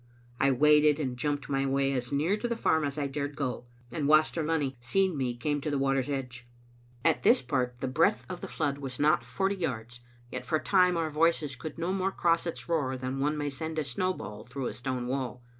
I waded and jumped my way as near to the farm as I dared go, and Waster Lunny, seeing me, came to the water's edge. At this part the breadth 19 Digitized by VjOOQ IC 900 XSbc Xfttle Aftti0ter* of the flood was not forty yards, yet for a time our voices could no more cross its roar than one may send a snowball through a stone wall.